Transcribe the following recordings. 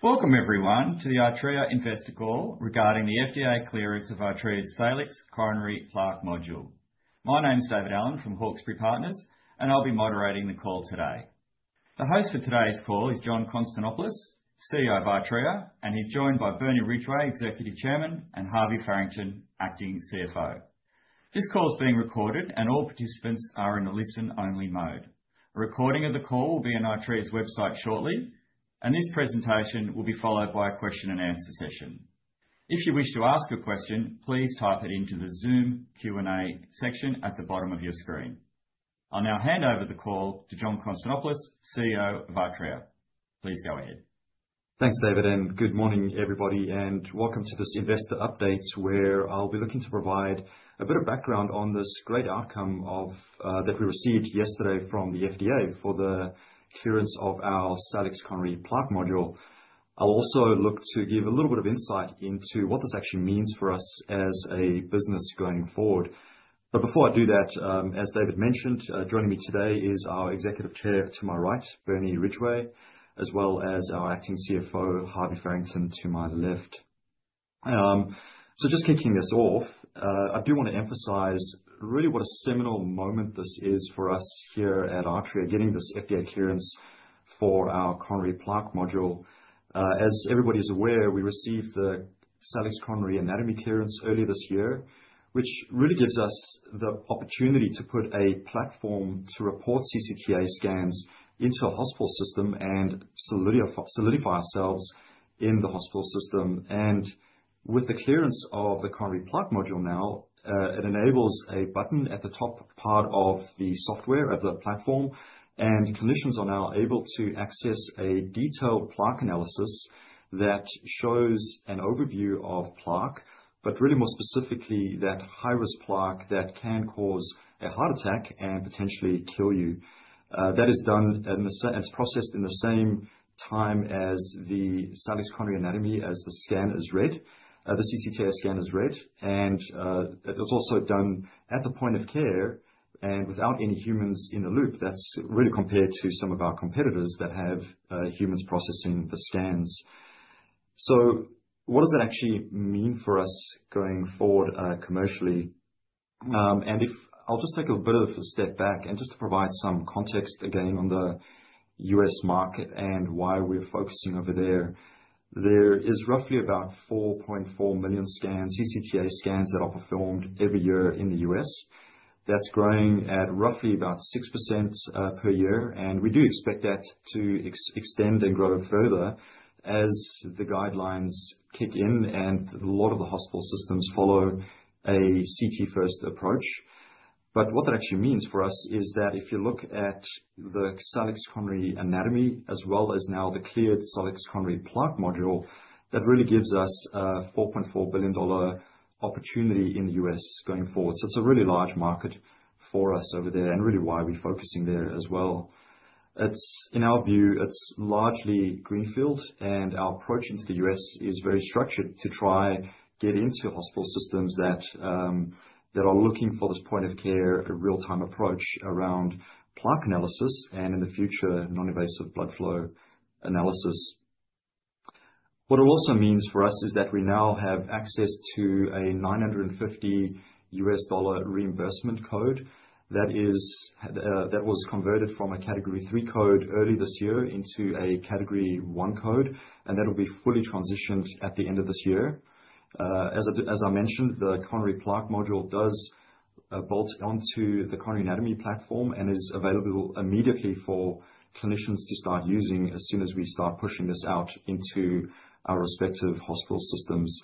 Welcome, everyone, to the Artrya investor call regarding the FDA clearance of Artrya's Salix Coronary Plaque Module. My name is David Allen from Hawkesbury Partners, and I'll be moderating the call today. The host for today's call is John Konstantopoulos, CEO of Artrya, and he's joined by Bernie Ridgway, Executive Chairman, and Harvey Farrington, Acting CFO. This call is being recorded, and all participants are in a listen-only mode. A recording of the call will be on Artrya's website shortly, and this presentation will be followed by a question-and-answer session. If you wish to ask a question, please type it into the Zoom Q&A section at the bottom of your screen. I'll now hand over the call to John Konstantopoulos, CEO of Artrya. Please go ahead. Thanks, David, and good morning, everybody, and welcome to this investor update where I'll be looking to provide a bit of background on this great outcome that we received yesterday from the FDA for the clearance of our Salix Coronary Plaque Module. I'll also look to give a little bit of insight into what this actually means for us as a business going forward. But before I do that, as David mentioned, joining me today is our Executive Chair to my right, Bernie Ridgeway, as well as our Acting CFO, Harvey Farrington, to my left. So just kicking this off, I do want to emphasize really what a seminal moment this is for us here at Artrya getting this FDA clearance for our coronary plaque module. As everybody is aware, we received the Salix Coronary Anatomy clearance earlier this year, which really gives us the opportunity to put a platform to report CCTA scans into a hospital system and solidify ourselves in the hospital system, and with the clearance of the coronary plaque module now, it enables a button at the top part of the software of the platform, and clinicians are now able to access a detailed plaque analysis that shows an overview of plaque, but really more specifically that high-risk plaque that can cause a heart attack and potentially kill you. That is done as processed in the same time as the Salix Coronary Anatomy as the scan is read, the CCTA scan is read, and it was also done at the point of care and without any humans in the loop. That's really compared to some of our competitors that have humans processing the scans. So what does that actually mean for us going forward commercially? And if I'll just take a bit of a step back and just to provide some context again on the U.S. market and why we're focusing over there, there is roughly about 4.4 million CCTA scans that are performed every year in the U.S. That's growing at roughly about 6% per year, and we do expect that to extend and grow further as the guidelines kick in and a lot of the hospital systems follow a CT-first approach. But what that actually means for us is that if you look at the Salix Coronary Anatomy as well as now the cleared Salix Coronary Plaque Module, that really gives us a $4.4 billion opportunity in the U.S. going forward. So it's a really large market for us over there and really why we're focusing there as well. In our view, it's largely greenfield, and our approach into the U.S. is very structured to try to get into hospital systems that are looking for this point of care real-time approach around plaque analysis and in the future, non-invasive blood flow analysis. What it also means for us is that we now have access to a $950 reimbursement code that was converted from a Category III code early this year into a Category I code, and that will be fully transitioned at the end of this year. As I mentioned, the coronary plaque module does bolt onto the coronary anatomy platform and is available immediately for clinicians to start using as soon as we start pushing this out into our respective hospital systems.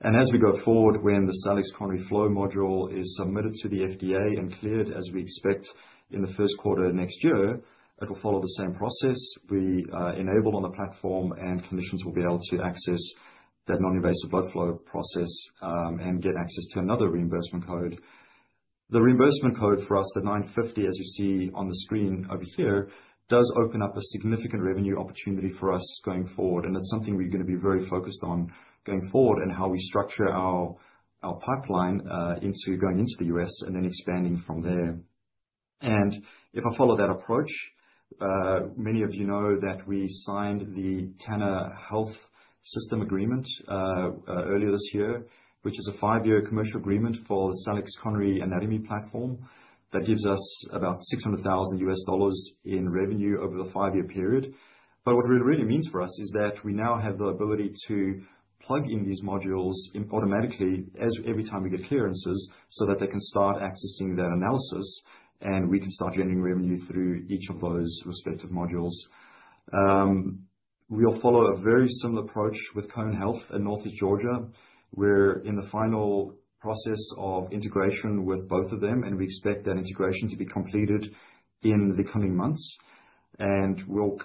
And as we go forward, when the Salix Coronary Flow Module is submitted to the FDA and cleared as we expect in the first quarter next year, it will follow the same process. We enable on the platform, and clinicians will be able to access that non-invasive blood flow process and get access to another reimbursement code. The reimbursement code for us, the $950, as you see on the screen over here, does open up a significant revenue opportunity for us going forward, and it's something we're going to be very focused on going forward and how we structure our pipeline into going into the U.S. and then expanding from there. And if I follow that approach, many of you know that we signed the Tanner Health System Agreement earlier this year, which is a five-year commercial agreement for the Salix Coronary Anatomy platform that gives us about $600,000 in revenue over the five-year period. But what it really means for us is that we now have the ability to plug in these modules automatically every time we get clearances so that they can start accessing that analysis and we can start generating revenue through each of those respective modules. We'll follow a very similar approach with Cone Health and Northeast Georgia. We're in the final process of integration with both of them, and we expect that integration to be completed in the coming months. And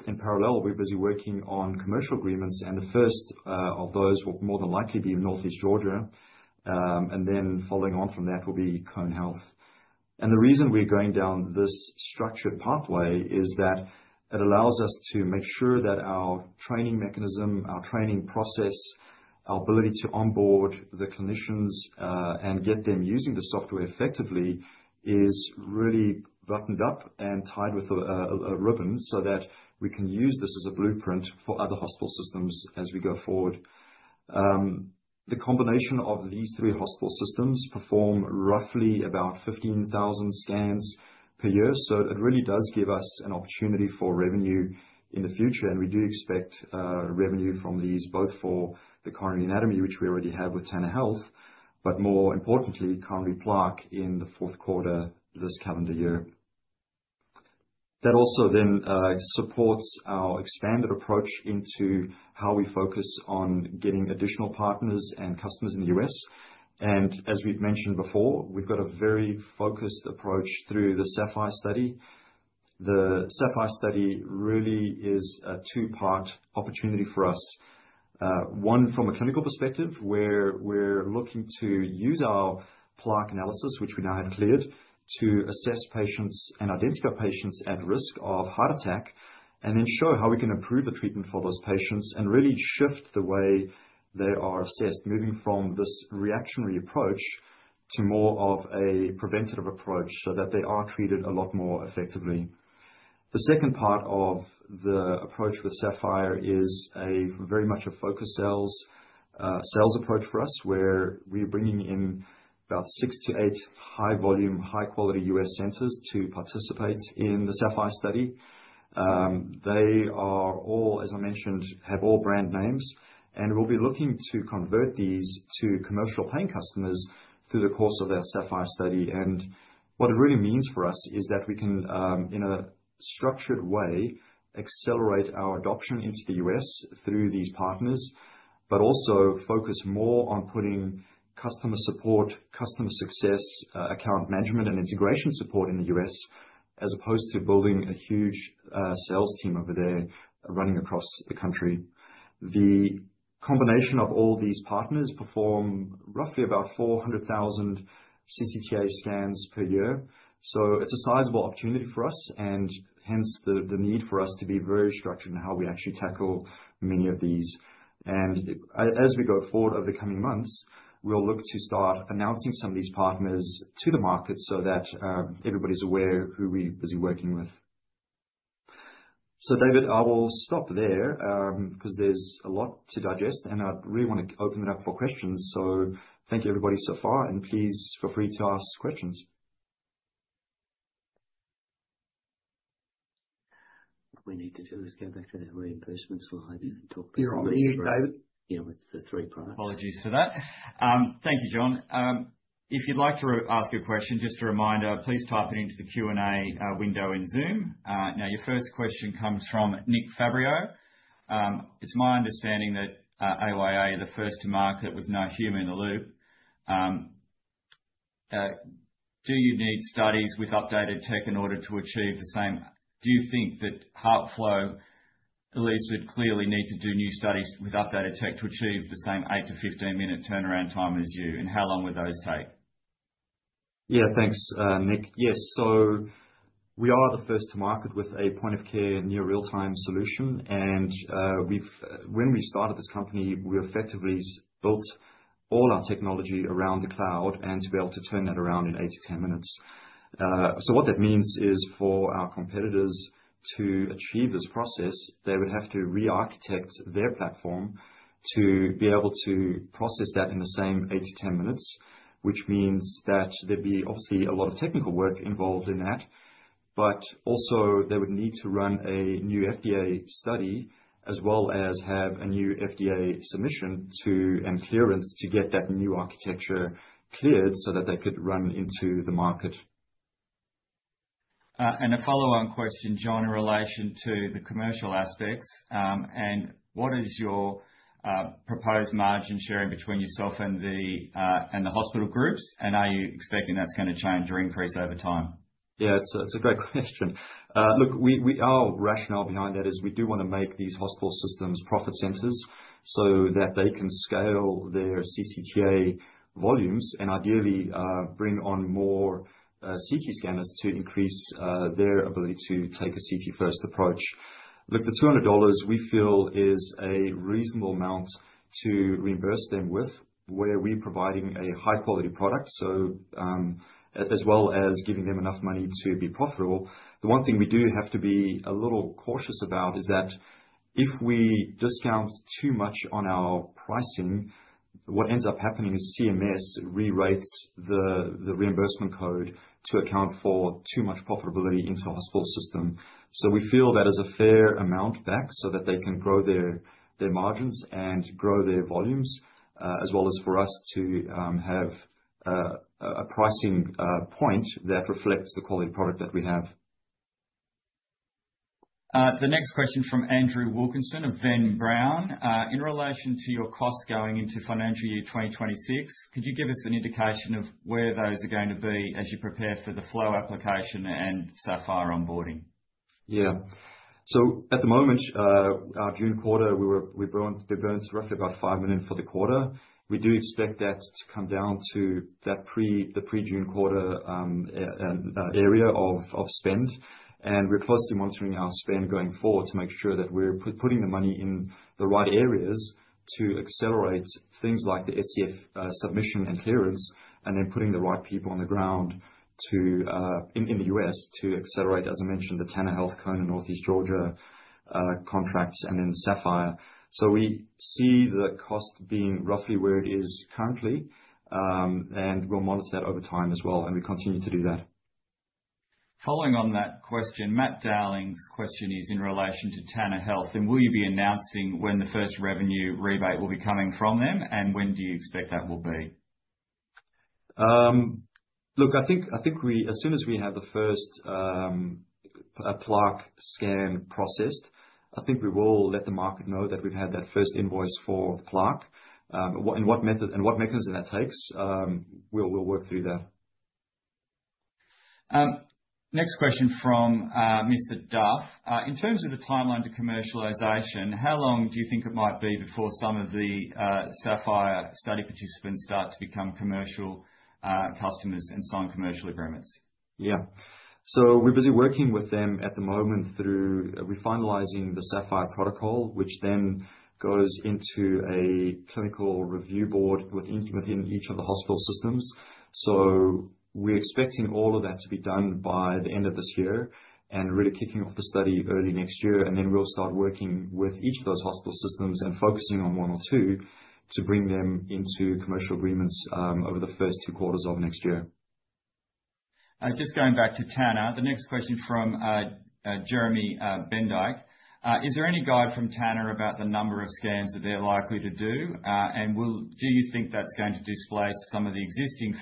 in parallel, we're busy working on commercial agreements, and the first of those will more than likely be in Northeast Georgia. And then following on from that will be Cone Health. The reason we're going down this structured pathway is that it allows us to make sure that our training mechanism, our training process, our ability to onboard the clinicians and get them using the software effectively is really buttoned up and tied with a ribbon so that we can use this as a blueprint for other hospital systems as we go forward. The combination of these three hospital systems performs roughly about 15,000 scans per year, so it really does give us an opportunity for revenue in the future, and we do expect revenue from these both for the coronary anatomy, which we already have with Tanner Health, but more importantly, coronary plaque in the fourth quarter this calendar year. That also then supports our expanded approach into how we focus on getting additional partners and customers in the U.S. And as we've mentioned before, we've got a very focused approach through the SAPPHIRE study. The SAPPHIRE study really is a two-part opportunity for us. One, from a clinical perspective, where we're looking to use our plaque analysis, which we now have cleared, to assess patients and identify patients at risk of heart attack and then show how we can improve the treatment for those patients and really shift the way they are assessed, moving from this reactionary approach to more of a preventative approach so that they are treated a lot more effectively. The second part of the approach with SAPPHIRE is very much a focused sales approach for us, where we're bringing in about six to eight high-volume, high-quality U.S. centers to participate in the SAPPHIRE study. They are all, as I mentioned, have all brand names, and we'll be looking to convert these to commercial paying customers through the course of our SAPPHIRE study. And what it really means for us is that we can, in a structured way, accelerate our adoption into the U.S. through these partners, but also focus more on putting customer support, customer success, account management, and integration support in the U.S. as opposed to building a huge sales team over there running across the country. The combination of all these partners performs roughly about 400,000 CCTA scans per year. So it's a sizable opportunity for us, and hence the need for us to be very structured in how we actually tackle many of these. And as we go forward over the coming months, we'll look to start announcing some of these partners to the market so that everybody's aware who we're busy working with. So, David, I will stop there because there's a lot to digest, and I really want to open it up for questions. So thank you, everybody, so far, and please feel free to ask questions. What we need to do is go back to that reimbursement slide and talk about the. You're on mute, David. Yeah, with the three products. Apologies for that. Thank you, John. If you'd like to ask a question, just a reminder, please type it into the Q&A window in Zoom. Now, your first question comes from Nick Fabrio. It's my understanding that AYA are the first to market with no human in the loop. Do you need studies with updated tech in order to achieve the same? Do you think that HeartFlow at least would clearly need to do new studies with updated tech to achieve the same eight to 15-minute turnaround time as you? And how long would those take? Yeah, thanks, Nick. Yes, so we are the first to market with a point of care near real-time solution. And when we started this company, we effectively built all our technology around the cloud and to be able to turn that around in eight to 10 minutes. So what that means is for our competitors to achieve this process, they would have to re-architect their platform to be able to process that in the same eight to 10 minutes, which means that there'd be obviously a lot of technical work involved in that. But also, they would need to run a new FDA study as well as have a new FDA submission and clearance to get that new architecture cleared so that they could run into the market. And a follow-on question, John, in relation to the commercial aspects. And what is your proposed margin sharing between yourself and the hospital groups? And are you expecting that's going to change or increase over time? Yeah, it's a great question. Look, our rationale behind that is we do want to make these hospital systems profit centers so that they can scale their CCTA volumes and ideally bring on more CT scanners to increase their ability to take a CT-first approach. Look, the $200 we feel is a reasonable amount to reimburse them with where we're providing a high-quality product, as well as giving them enough money to be profitable. The one thing we do have to be a little cautious about is that if we discount too much on our pricing, what ends up happening is CMS re-rates the reimbursement code to account for too much profitability into a hospital system. We feel that is a fair amount back so that they can grow their margins and grow their volumes, as well as for us to have a pricing point that reflects the quality product that we have. The next question from Andrew Wilkinson of Venn Brown. In relation to your costs going into financial year 2026, could you give us an indication of where those are going to be as you prepare for the flow application and SAPPHIRE onboarding? Yeah. So at the moment, our June quarter, we burned roughly about $5 million for the quarter. We do expect that to come down to the pre-June quarter area of spend. And we're closely monitoring our spend going forward to make sure that we're putting the money in the right areas to accelerate things like the SCF submission and clearance and then putting the right people on the ground in the U.S. to accelerate, as I mentioned, the Tanner Health, Cone Health, and Northeast Georgia contracts and then SAPPHIRE. So we see the cost being roughly where it is currently, and we'll monitor that over time as well, and we continue to do that. Following on that question, Matt Dowling's question is in relation to Tanner Health. And will you be announcing when the first revenue rebate will be coming from them, and when do you expect that will be? Look, I think as soon as we have the first plaque scan processed, I think we will let the market know that we've had that first invoice for plaque and what mechanism that takes. We'll work through that. Next question from Mr. Duff. In terms of the timeline to commercialization, how long do you think it might be before some of the SAPPHIRE study participants start to become commercial customers and sign commercial agreements? Yeah. So we're busy working with them at the moment through finalizing the SAPPHIRE protocol, which then goes into a clinical review board within each of the hospital systems. So we're expecting all of that to be done by the end of this year and really kicking off the study early next year. And then we'll start working with each of those hospital systems and focusing on one or two to bring them into commercial agreements over the first two quarters of next year. Just going back to Tanner, the next question from Jeremy Bendeich. Is there any guide from Tanner about the number of scans that they're likely to do? And do you think that's going to displace some of the existing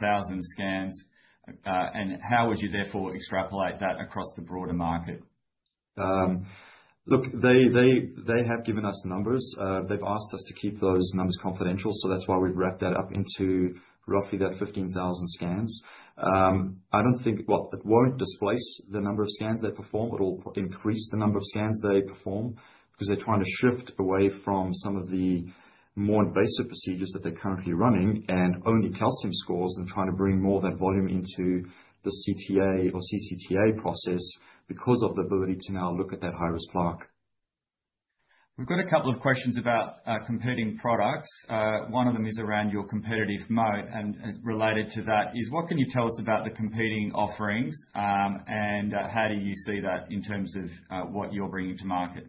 15,000 scans? And how would you therefore extrapolate that across the broader market? Look, they have given us numbers. They've asked us to keep those numbers confidential, so that's why we've wrapped that up into roughly that 15,000 scans. I don't think it won't displace the number of scans they perform. It'll increase the number of scans they perform because they're trying to shift away from some of the more invasive procedures that they're currently running and only calcium scores and trying to bring more of that volume into the CTA or CCTA process because of the ability to now look at that high-risk plaque. We've got a couple of questions about competing products. One of them is around your competitive mode. And related to that is, what can you tell us about the competing offerings? And how do you see that in terms of what you're bringing to market?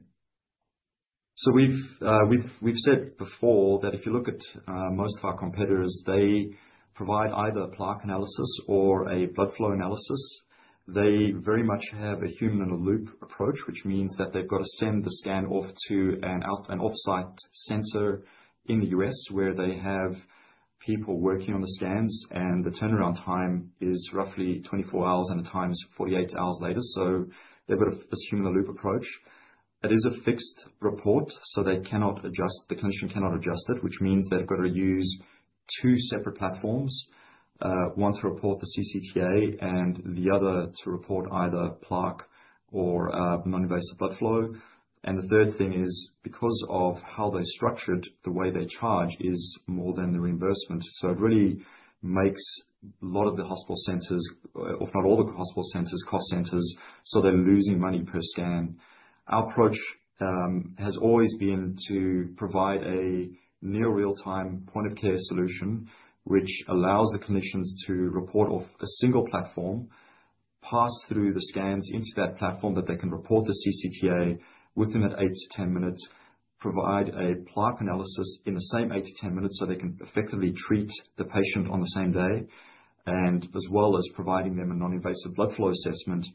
So we've said before that if you look at most of our competitors, they provide either a plaque analysis or a blood flow analysis. They very much have a human-in-the-loop approach, which means that they've got to send the scan off to an off-site center in the U.S. where they have people working on the scans, and the turnaround time is roughly 24 hours, and at times, 48 hours later. So they've got a human-in-the-loop approach. It is a fixed report, so the clinician cannot adjust it, which means they've got to use two separate platforms, one to report the CCTA and the other to report either plaque or non-invasive blood flow. And the third thing is, because of how they're structured, the way they charge is more than the reimbursement. So it really makes a lot of the hospital centers, if not all the hospital centers, cost centers, so they're losing money per scan. Our approach has always been to provide a near real-time point of care solution, which allows the clinicians to report off a single platform, pass through the scans into that platform that they can report the CCTA within that eight to 10 minutes, provide a plaque analysis in the same eight to 10 minutes so they can effectively treat the patient on the same day, and as well as providing them a non-invasive blood flow assessment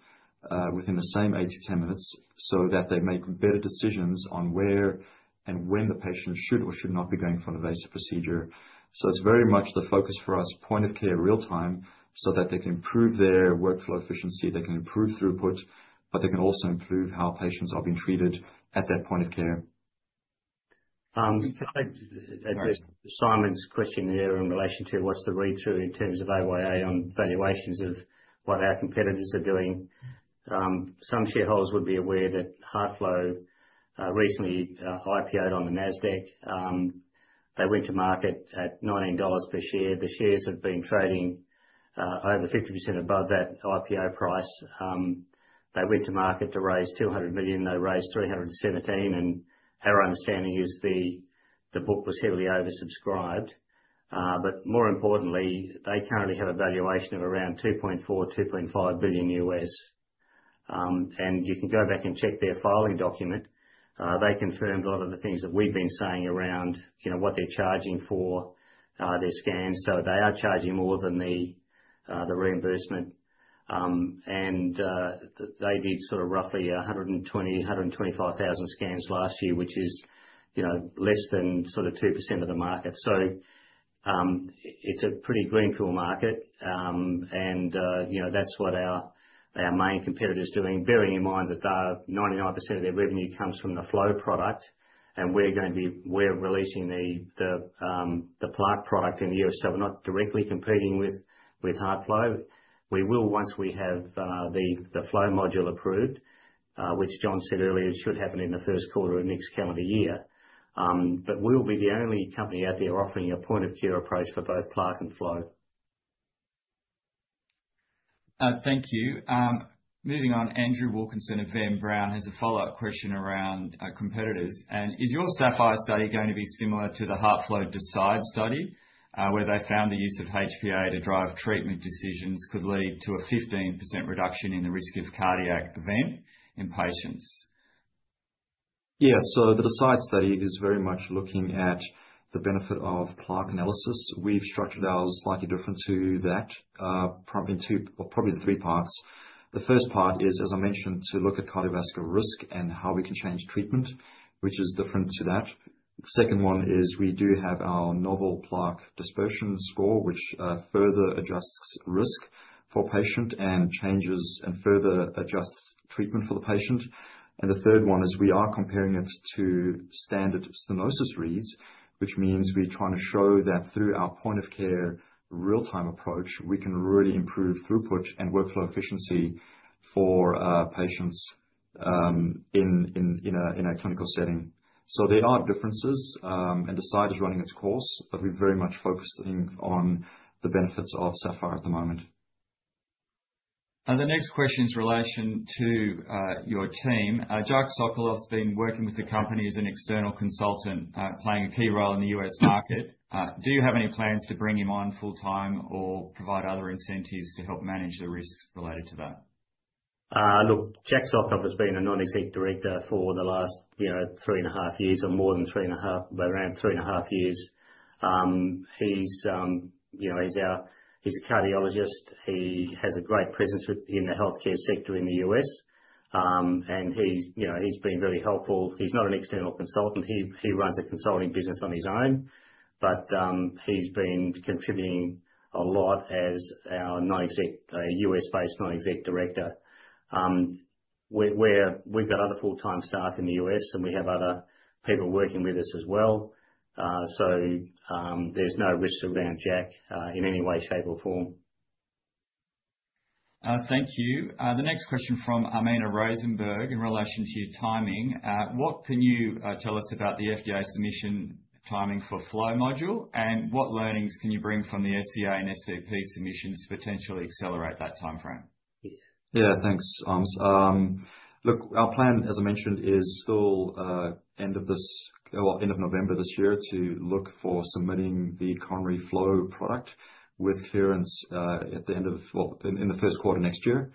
within the same eight to 10 minutes so that they make better decisions on where and when the patient should or should not be going for an invasive procedure. So it's very much the focus for us, point of care real-time so that they can improve their workflow efficiency, they can improve throughput, but they can also improve how patients are being treated at that point of care. Can I address Simon's question here in relation to what's the read-through in terms of AYA on valuations of what our competitors are doing? Some shareholders would be aware that HeartFlow recently IPO on the Nasdaq. They went to market at $19 per share. The shares have been trading over 50% above that IPO price. They went to market to raise $200 million. They raised $317 million. And our understanding is the book was heavily oversubscribed. But more importantly, they currently have a valuation of around $2.4 billion-$2.5 billion. And you can go back and check their filing document. They confirmed a lot of the things that we've been saying around what they're charging for their scans. So they are charging more than the reimbursement. And they did sort of roughly 120,000-125,000 scans last year, which is less than sort of 2% of the market. It's a pretty greenfield market. And that's what our main competitor is doing, bearing in mind that 99% of their revenue comes from the flow product. And we're going to be releasing the plaque product in the U.S. So we're not directly competing with HeartFlow. We will, once we have the flow module approved, which John said earlier, it should happen in the first quarter of next calendar year. But we'll be the only company out there offering a point of care approach for both plaque and flow. Thank you. Moving on, Andrew Wilkinson of Venn Brown has a follow-up question around competitors. And is your SAPPHIRE study going to be similar to the HeartFlow DECIDE study, where they found the use of HPA to drive treatment decisions could lead to a 15% reduction in the risk of cardiac event in patients? Yeah. So the DECIDE study is very much looking at the benefit of plaque analysis. We've structured ours slightly different to that, probably in two or probably three parts. The first part is, as I mentioned, to look at cardiovascular risk and how we can change treatment, which is different to that. The second one is we do have our novel plaque dispersion score, which further adjusts risk for patient and changes and further adjusts treatment for the patient. And the third one is we are comparing it to standard stenosis reads, which means we're trying to show that through our point of care real-time approach, we can really improve throughput and workflow efficiency for patients in a clinical setting. So there are differences, and DECIDE is running its course, but we're very much focusing on the benefits of SAPPHIRE at the moment. The next question is in relation to your team. Jacque Sokolov's been working with the company as an external consultant, playing a key role in the U.S. market. Do you have any plans to bring him on full-time or provide other incentives to help manage the risk related to that? Look, Jacque Sokolov has been a non-executive director for the last three and a half years or more than three and a half, but around three and a half years. He's a cardiologist. He has a great presence in the healthcare sector in the U.S., and he's been very helpful. He's not an external consultant. He runs a consulting business on his own, but he's been contributing a lot as our U.S.-based non-executive director. We've got other full-time staff in the U.S., and we have other people working with us as well, so there's no risk around Jacque in any way, shape, or form. Thank you. The next question from Armina Rosenberg in relation to your timing. What can you tell us about the FDA submission timing for flow module? And what learnings can you bring from the SCA and SCP submissions to potentially accelerate that timeframe? Yeah, thanks, Arms. Look, our plan, as I mentioned, is still end of this or end of November this year to look for submitting the coronary flow product with clearance at the end of, well, in the first quarter next year.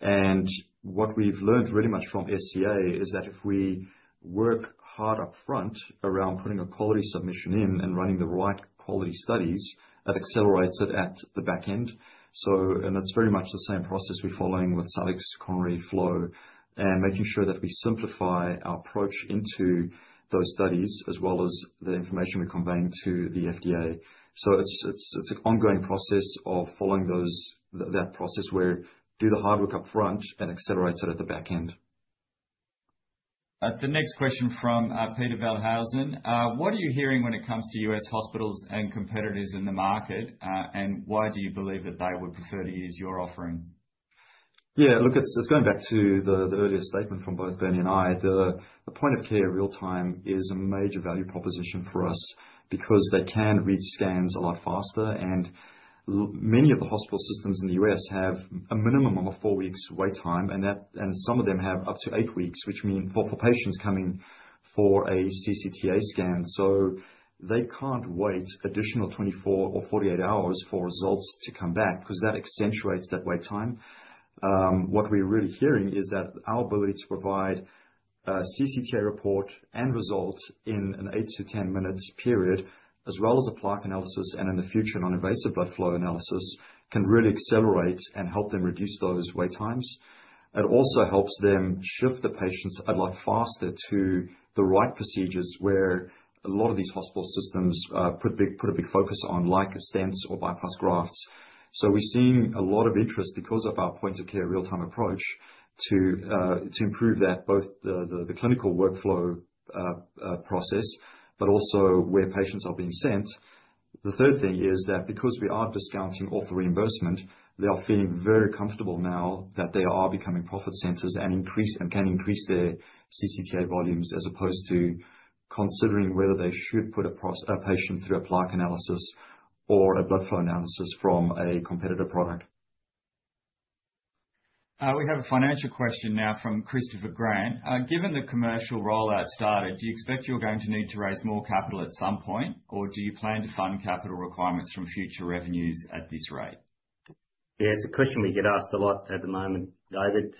And what we've learned really much from SCA is that if we work hard upfront around putting a quality submission in and running the right quality studies, that accelerates it at the back end. And that's very much the same process we're following with Salix Coronary Flow and making sure that we simplify our approach into those studies as well as the information we convey to the FDA. So it's an ongoing process of following that process where do the hard work upfront and accelerate it at the back end. The next question from Peter Veldhuizen. What are you hearing when it comes to U.S. hospitals and competitors in the market? And why do you believe that they would prefer to use your offering? Yeah, look, it's going back to the earlier statement from both Bernie and I. The point of care real-time is a major value proposition for us because they can read scans a lot faster, and many of the hospital systems in the U.S. have a minimum of four weeks wait time, and some of them have up to eight weeks, which means for patients coming for a CCTA scan. So they can't wait additional 24 or 48 hours for results to come back because that accentuates that wait time. What we're really hearing is that our ability to provide a CCTA report and result in an eight to 10 minute period, as well as a plaque analysis and in the future non-invasive blood flow analysis, can really accelerate and help them reduce those wait times. It also helps them shift the patients a lot faster to the right procedures where a lot of these hospital systems put a big focus on, like stents or bypass grafts. So we're seeing a lot of interest because of our point-of-care real-time approach to improve that, both the clinical workflow process, but also where patients are being sent. The third thing is that because we are discounting overall reimbursement, they are feeling very comfortable now that they are becoming profit centers and can increase their CCTA volumes as opposed to considering whether they should put a patient through a plaque analysis or a blood flow analysis from a competitor product. We have a financial question now from Christopher Grant. Given the commercial rollout started, do you expect you're going to need to raise more capital at some point, or do you plan to fund capital requirements from future revenues at this rate? Yeah, it's a question we get asked a lot at the moment, David.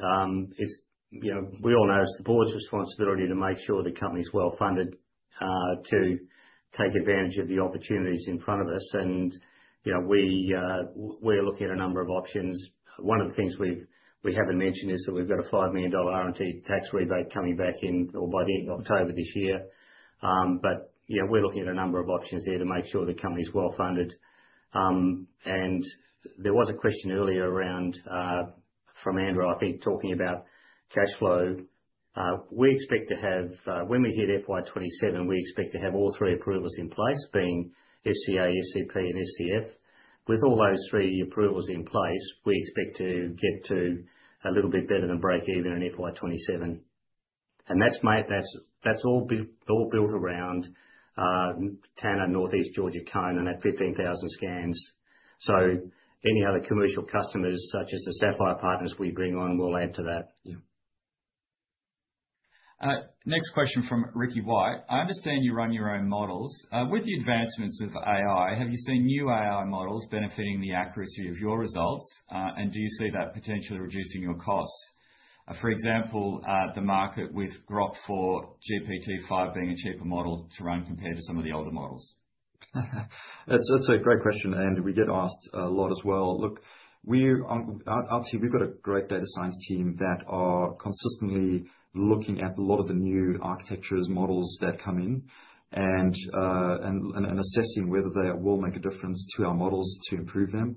We all know it's the board's responsibility to make sure the company's well funded to take advantage of the opportunities in front of us. And we're looking at a number of options. One of the things we haven't mentioned is that we've got $5 million R&D tax rebate coming back in or by the end of October this year. But we're looking at a number of options there to make sure the company's well funded. And there was a question earlier from Andrew, I think, talking about cash flow. We expect to have, when we hit FY 2027, we expect to have all three approvals in place, being SCA, SCP, and SCF. With all those three approvals in place, we expect to get to a little bit better than break even in FY 2027. And that's all built around Tanner, Northeast Georgia, Cone, and that 15,000 scans. So any other commercial customers, such as the SAPPHIRE partners we bring on, will add to that. Next question from Ricky White. I understand you run your own models. With the advancements of AI, have you seen new AI models benefiting the accuracy of your results? And do you see that potentially reducing your costs? For example, the market with Grok 4, GPT-5 being a cheaper model to run compared to some of the older models. That's a great question, and we get asked a lot as well. Look, I'll tell you, we've got a great data science team that are consistently looking at a lot of the new architectures, models that come in, and assessing whether they will make a difference to our models to improve them.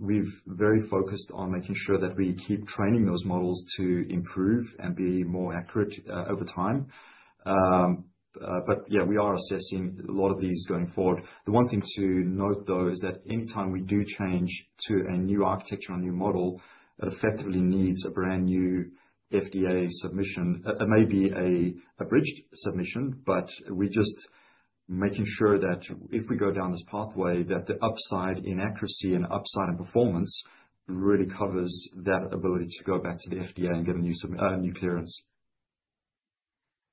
We're very focused on making sure that we keep training those models to improve and be more accurate over time. But yeah, we are assessing a lot of these going forward. The one thing to note, though, is that anytime we do change to a new architecture or a new model, it effectively needs a brand new FDA submission. It may be a bridged submission, but we're just making sure that if we go down this pathway, that the upside in accuracy and upside in performance really covers that ability to go back to the FDA and get a new clearance.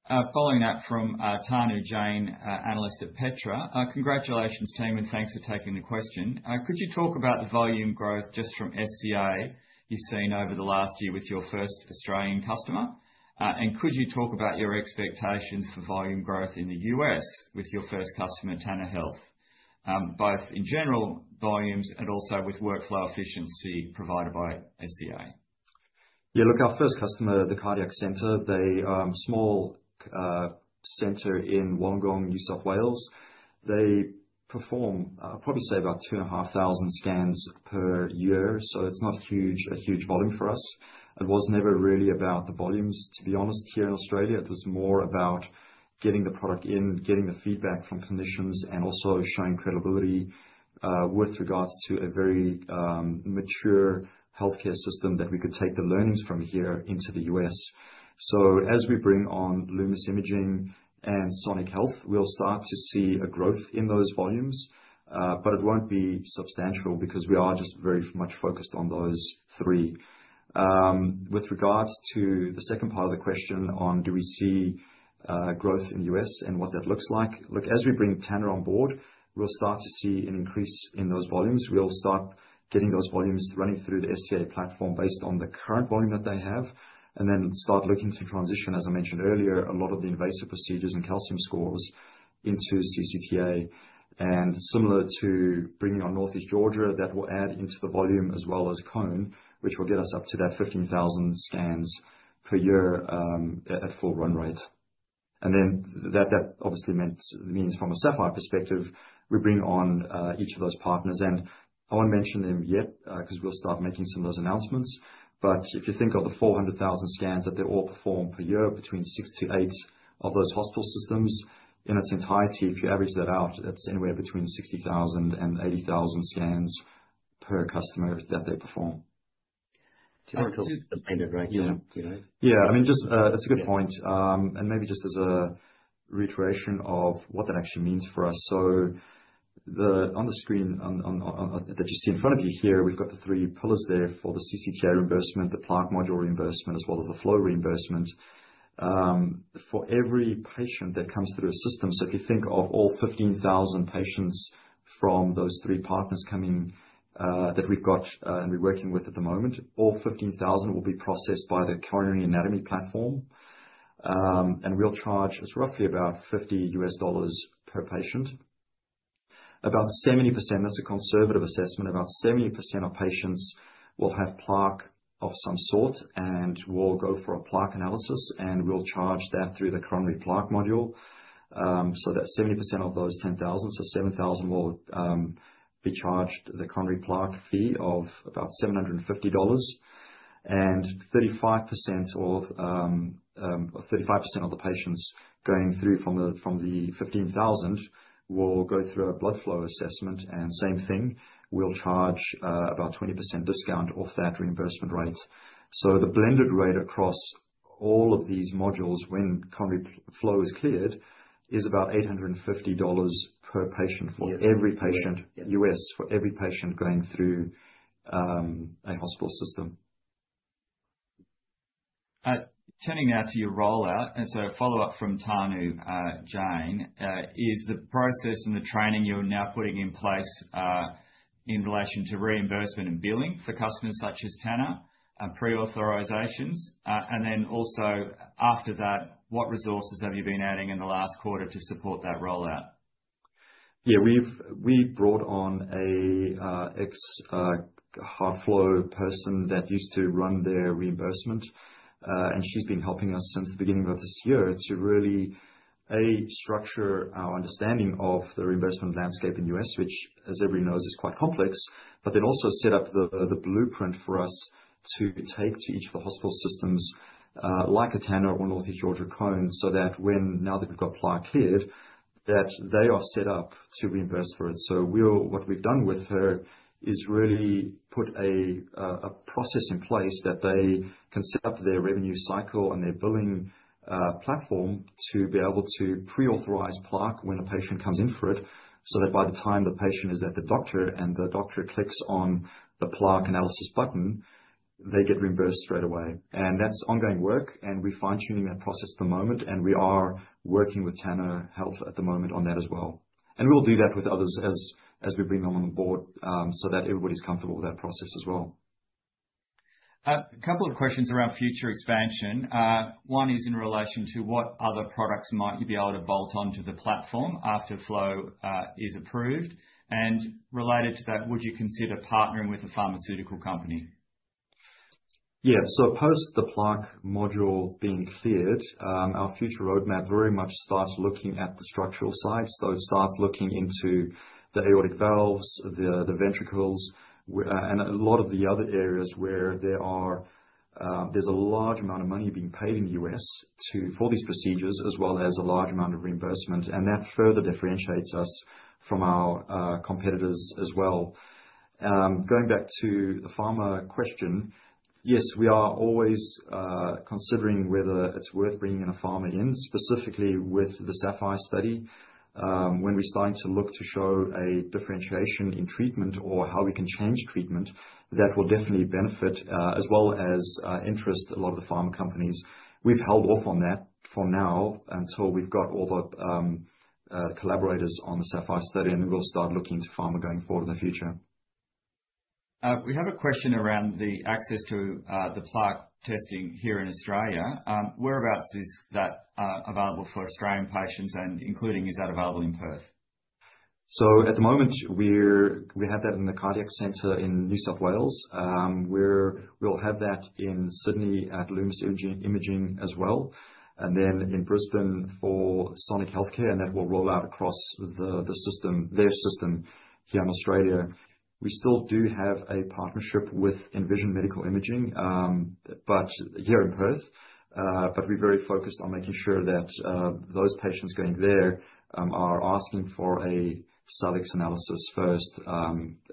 Following that from Tanu Jain, analyst at Petra. Congratulations, team, and thanks for taking the question. Could you talk about the volume growth just from SCA you've seen over the last year with your first Australian customer? And could you talk about your expectations for volume growth in the U.S. with your first customer, Tanner Health, both in general volumes and also with workflow efficiency provided by SCA? Yeah, look, our first customer, The Cardiac Centre, the small center in Wollongong, New South Wales, they perform, I'd probably say, about 2,500 scans per year. So it's not a huge volume for us. It was never really about the volumes, to be honest, here in Australia. It was more about getting the product in, getting the feedback from clinicians, and also showing credibility with regards to a very mature healthcare system that we could take the learnings from here into the U.S. So as we bring on Lumus Imaging and Sonic Healthcare, we'll start to see a growth in those volumes, but it won't be substantial because we are just very much focused on those three. With regards to the second part of the question on do we see growth in the U.S. and what that looks like, look, as we bring Tanner on board, we'll start to see an increase in those volumes. We'll start getting those volumes running through the SCA platform based on the current volume that they have, and then start looking to transition, as I mentioned earlier, a lot of the invasive procedures and calcium scores into CCTA. And similar to bringing on Northeast Georgia, that will add into the volume as well as Cone, which will get us up to that 15,000 scans per year at full run rate. And then that obviously means from a SAPPHIRE perspective, we bring on each of those partners. And I won't mention them yet because we'll start making some of those announcements. If you think of the 400,000 scans that they all perform per year, between six to eight of those hospital systems in its entirety, if you average that out, that's anywhere between 60,000 and 80,000 scans per customer that they perform. Do you want to talk a bit about that, Bernie? Yeah, I mean, just that's a good point. And maybe just as a reiteration of what that actually means for us. So on the screen that you see in front of you here, we've got the three pillars there for the CCTA reimbursement, the plaque module reimbursement, as well as the flow reimbursement for every patient that comes through a system. So if you think of all 15,000 patients from those three partners coming that we've got and we're working with at the moment, all 15,000 will be processed by the Salix Anatomy platform. And we'll charge roughly $50 per patient. About 70%, that's a conservative assessment, about 70% of patients will have plaque of some sort and will go for a plaque analysis, and we'll charge that through the Salix Plaque Module. So, that 70% of those 10,000, so 7,000 will be charged the Salix plaque fee of about $750. And 35% of the patients going through from the 15,000 will go through a blood flow assessment, and same thing, we'll charge about 20% discount off that reimbursement rate. So the blended rate across all of these modules when Salix flow is cleared is about $850 per patient for every patient U.S., for every patient going through a hospital system. Turning now to your rollout, and so a follow-up from Tanu Jain is the process and the training you're now putting in place in relation to reimbursement and billing for customers such as Tanner, pre-authorizations, and then also after that, what resources have you been adding in the last quarter to support that rollout? Yeah, we've brought on an ex-HeartFlow person that used to run their reimbursement, and she's been helping us since the beginning of this year to really structure our understanding of the reimbursement landscape in the U.S., which, as everyone knows, is quite complex, but then also set up the blueprint for us to take to each of the hospital systems like a Tanner or Northeast Georgia, Cone so that now that we've got plaque cleared, that they are set up to reimburse for it. So what we've done with her is really put a process in place that they can set up their revenue cycle on their billing platform to be able to pre-authorize plaque when a patient comes in for it so that by the time the patient is at the doctor and the doctor clicks on the plaque analysis button, they get reimbursed straight away. That's ongoing work, and we're fine-tuning that process at the moment, and we are working with Tanner Health at the moment on that as well. We'll do that with others as we bring them on the board so that everybody's comfortable with that process as well. A couple of questions around future expansion. One is in relation to what other products might you be able to bolt onto the platform after flow is approved? And related to that, would you consider partnering with a pharmaceutical company? Yeah, so post the plaque module being cleared, our future roadmap very much starts looking at the structural sides, that starts looking into the aortic valves, the ventricles, and a lot of the other areas where there's a large amount of money being paid in the U.S. for these procedures, as well as a large amount of reimbursement. And that further differentiates us from our competitors as well. Going back to the pharma question, yes, we are always considering whether it's worth bringing in a pharma in, specifically with the SAPPHIRE study. When we're starting to look to show a differentiation in treatment or how we can change treatment, that will definitely benefit as well as interest a lot of the pharma companies. We've held off on that for now until we've got all the collaborators on the SAPPHIRE study, and we'll start looking to pharma going forward in the future. We have a question around the access to the plaque testing here in Australia. Whereabouts is that available for Australian patients, and including is that available in Perth? So at the moment, we have that in the Cardiac Centre in New South Wales. We'll have that in Sydney at Lumus Imaging as well, and then in Brisbane for Sonic Healthcare, and that will roll out across their system here in Australia. We still do have a partnership with Envision Medical Imaging, but here in Perth. But we're very focused on making sure that those patients going there are asking for a Salix analysis first,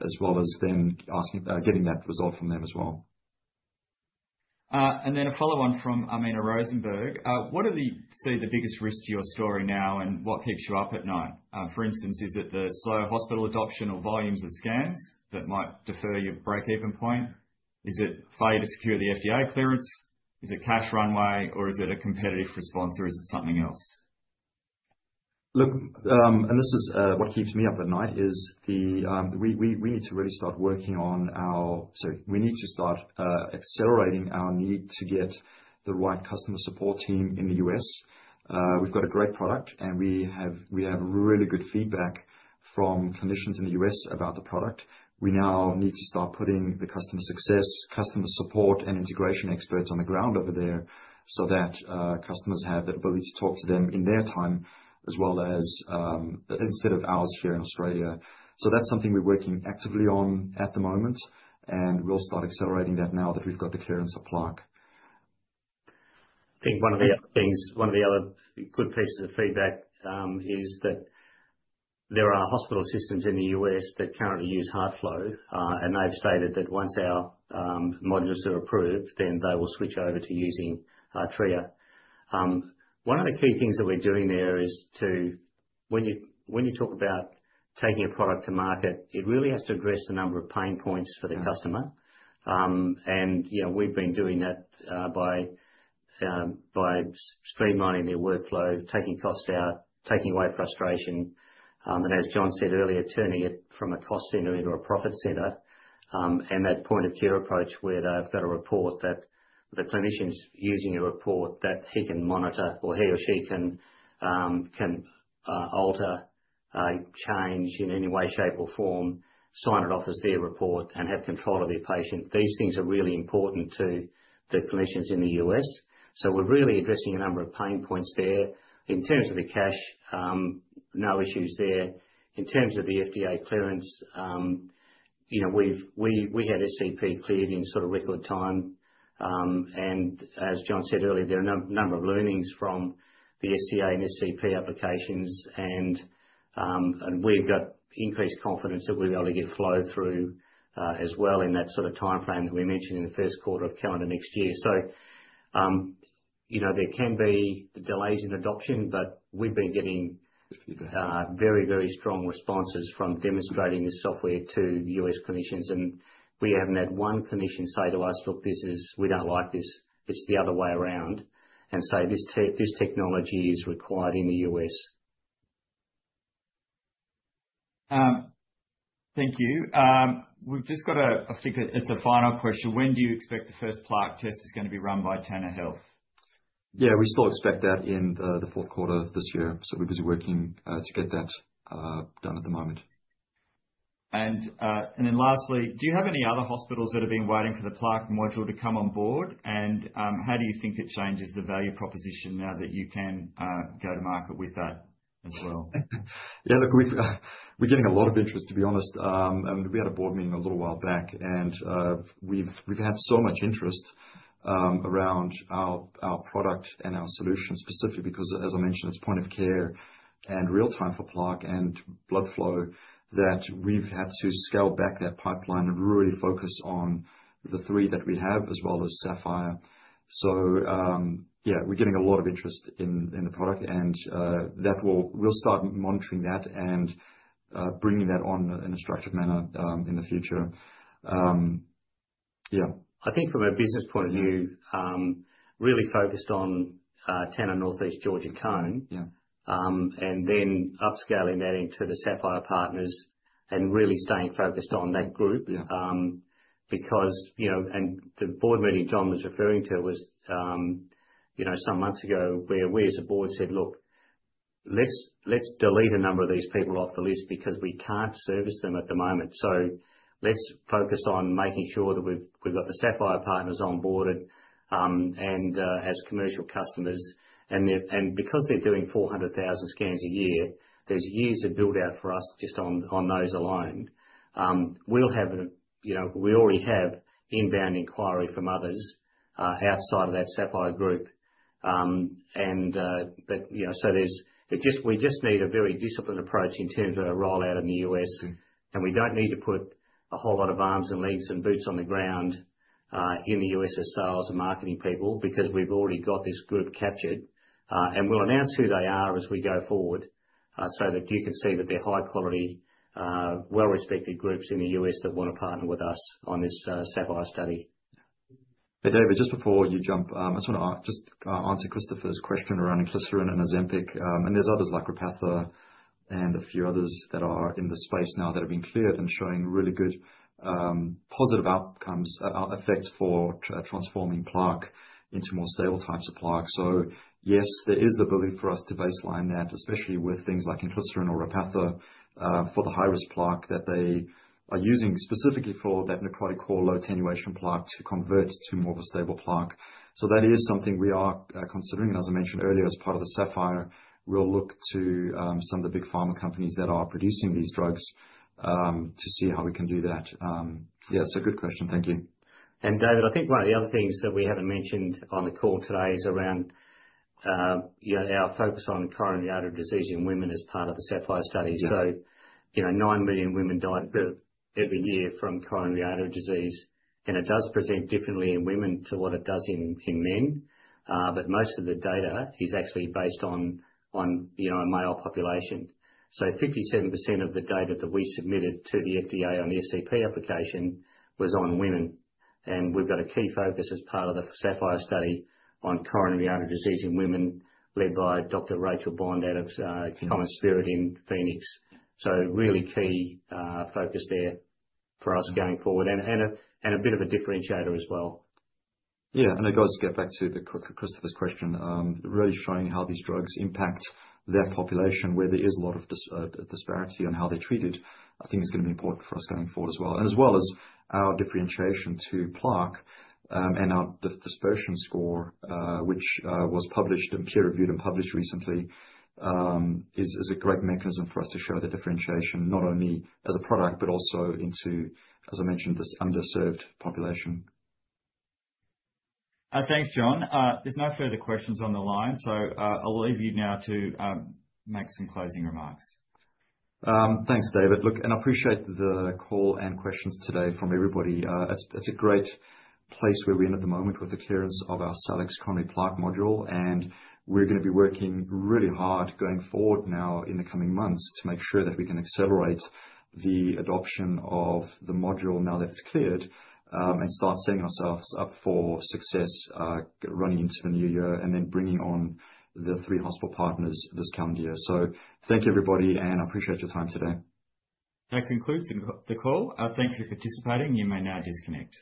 as well as then getting that result from them as well. And then a follow-on from Armina Rosenberg. What are the biggest risks to your story now, and what keeps you up at night? For instance, is it the slow hospital adoption or volumes of scans that might defer your break-even point? Is it failure to secure the FDA clearance? Is it cash runway, or is it a competitive response, or is it something else? Look, and this is what keeps me up at night, is we need to really start working on our, sorry, we need to start accelerating our need to get the right customer support team in the US. We've got a great product, and we have really good feedback from clinicians in the US about the product. We now need to start putting the customer success, customer support, and integration experts on the ground over there so that customers have that ability to talk to them in their time, as well as instead of ours here in Australia. So that's something we're working actively on at the moment, and we'll start accelerating that now that we've got the clearance of plaque. I think one of the other things, one of the other good pieces of feedback is that there are hospital systems in the U.S. that currently use HeartFlow, and they've stated that once our modules are approved, then they will switch over to using Artrya. One of the key things that we're doing there is when you talk about taking a product to market, it really has to address the number of pain points for the customer. We've been doing that by streamlining their workflow, taking costs out, taking away frustration, and as John said earlier, turning it from a cost center into a profit center, and that point of care approach where they've got a report that the clinician's using a report that he can monitor, or he or she can alter, change in any way, shape, or form, sign it off as their report, and have control of their patient. These things are really important to the clinicians in the U.S. So we're really addressing a number of pain points there. In terms of the cash, no issues there. In terms of the FDA clearance, we had SCP cleared in sort of record time. As John said earlier, there are a number of learnings from the SCA and SCP applications, and we've got increased confidence that we'll be able to get flow through as well in that sort of timeframe that we mentioned in the first quarter of calendar next year. There can be delays in adoption, but we've been getting very, very strong responses from demonstrating this software to U.S. clinicians. We haven't had one clinician say to us, "Look, we don't like this. It's the other way around," and say, "This technology is required in the U.S." Thank you. I think we've just got a final question. When do you expect the first plaque test is going to be run by Tanner Health? Yeah, we still expect that in the fourth quarter of this year. So we're busy working to get that done at the moment. Then lastly, do you have any other hospitals that have been waiting for the plaque module to come on board? And how do you think it changes the value proposition now that you can go to market with that as well? Yeah, look, we're getting a lot of interest, to be honest, and we had a board meeting a little while back, and we've had so much interest around our product and our solution specifically because, as I mentioned, it's point of care and real-time for plaque and blood flow that we've had to scale back that pipeline and really focus on the three that we have as well as SAPPHIRE. So yeah, we're getting a lot of interest in the product, and we'll start monitoring that and bringing that on in a structured manner in the future. Yeah. I think from a business point of view, really focused on Tanner, Northeast Georgia, Cone and then upscaling that into the SAPPHIRE partners and really staying focused on that group because the board meeting John was referring to was some months ago where we as a board said, "Look, let's delete a number of these people off the list because we can't service them at the moment. So let's focus on making sure that we've got the SAPPHIRE partners on board and as commercial customers." And because they're doing 400,000 scans a year, there's years of buildout for us just on those alone. We already have inbound inquiry from others outside of that SAPPHIRE group. And so we just need a very disciplined approach in terms of a rollout in the U.S.. We don't need to put a whole lot of arms and legs and boots on the ground in the U.S. as sales and marketing people because we've already got this group captured. We'll announce who they are as we go forward so that you can see that they're high-quality, well-respected groups in the U.S. that want to partner with us on this SAPPHIRE study. Hey, David, just before you jump, I just want to just answer Christopher's question around Inclisiran and Ozempic, and there's others like Repatha and a few others that are in the space now that have been cleared and showing really good positive effects for transforming plaque into more stable types of plaque, so yes, there is the ability for us to baseline that, especially with things like Inclisiran or Repatha for the high-risk plaque that they are using specifically for that necrotic core low-attenuation plaque to convert to more of a stable plaque, so that is something we are considering, and as I mentioned earlier, as part of the SAPPHIRE, we'll look to some of the big pharma companies that are producing these drugs to see how we can do that. Yeah, so good question. Thank you. David, I think one of the other things that we haven't mentioned on the call today is around our focus on coronary artery disease in women as part of the SAPPHIRE study. So 9 million women die every year from coronary artery disease, and it does present differently in women to what it does in men, but most of the data is actually based on a male population. So 57% of the data that we submitted to the FDA on the SCP application was on women. And we've got a key focus as part of the SAPPHIRE study on coronary artery disease in women led by Dr. Rachel Bond out of CommonSpirit in Phoenix. So really key focus there for us going forward and a bit of a differentiator as well. Yeah, and it does get back to Christopher's question, really showing how these drugs impact their population, where there is a lot of disparity on how they're treated. I think it's going to be important for us going forward as well. And as well as our differentiation to plaque and our dispersion score, which was published and peer-reviewed and published recently, is a great mechanism for us to show the differentiation not only as a product, but also, as I mentioned, this underserved population. Thanks, John. There's no further questions on the line, so I'll leave you now to make some closing remarks. Thanks, David. Look, and I appreciate the call and questions today from everybody. It's a great place where we're in at the moment with the clearance of our Salix Coronary Plaque Module. And we're going to be working really hard going forward now in the coming months to make sure that we can accelerate the adoption of the module now that it's cleared and start setting ourselves up for success running into the new year and then bringing on the three hospital partners this calendar year. So thank you, everybody, and I appreciate your time today. That concludes the call. Thank you for participating. You may now disconnect.